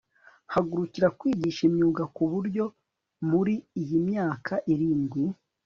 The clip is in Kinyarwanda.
guhagurukira kwigisha imyuga ku buryo muri iyi myaka irindwi